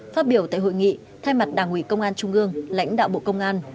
phát biểu tại hội nghị thay mặt đảng ủy công an trung ương lãnh đạo bộ công an